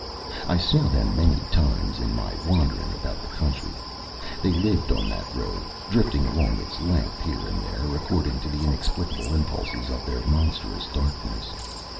I saw them many times in my wandering about the country. They lived on that road, drifting along its length here and there, according to the inexplicable impulses of their monstrous darkness.